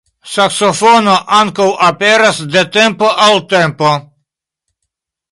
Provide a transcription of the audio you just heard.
Saksofono ankaŭ aperas de tempo al tempo.